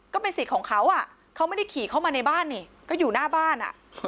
ก็เป็นสิทธิ์ของเขาเขาไม่ได้ขี่เข้ามาในบ้านนี่ก็อยู่หน้าบ้าน